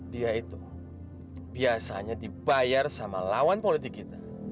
dia itu biasanya dibayar sama lawan politik kita